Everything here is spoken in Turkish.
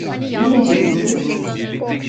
Yemeyecek misin?